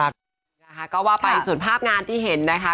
นะคะก็ว่าไปส่วนภาพงานที่เห็นนะคะ